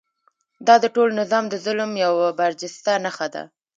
دا د ټول نظام د ظلم یوه برجسته نښه ده.